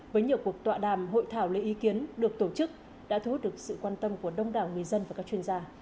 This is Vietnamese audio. với nhiều cuộc tọa đàm hội thảo lấy ý kiến được tổ chức đã thu hút được sự quan tâm của đông đảo người dân và các chuyên gia